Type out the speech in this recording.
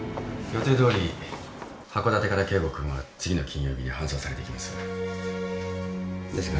予定どおり函館から圭吾君は次の金曜日に搬送されてきます。